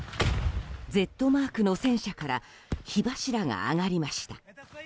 Ｚマークの戦車から火柱が上がりました。